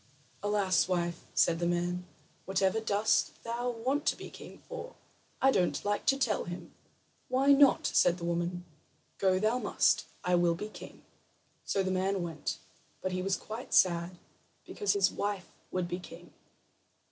"Alas, wife," said the man, "whatever dost thou want to be king for? I don't like to tell him." "Why not?" said the woman. "Go thou must. I will be king." So the man went; but he was quite sad because his wife would be king.